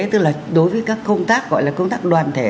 tức là đối với các công tác gọi là công tác đoàn thể